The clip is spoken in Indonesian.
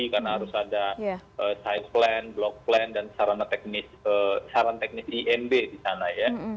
karena harus ada site plan block plan dan saran teknis inb di sana ya